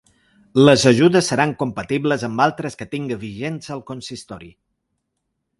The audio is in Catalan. Les ajudes seran compatibles amb altres que tinga vigents el consistori.